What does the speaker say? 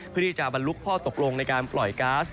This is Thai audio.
เพื่อที่จะบรรลุข้อตกลงในการปล่อยก๊าซ